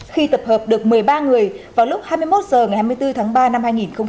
khi tập hợp được một mươi ba người vào lúc hai mươi một h ngày hai mươi bốn tháng ba năm hai nghìn hai mươi